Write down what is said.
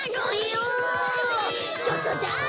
ちょっとだれ？